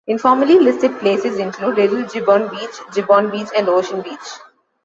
Informally listed places include Little Jibbon Beach, Jibbon Beach, and Ocean Beach.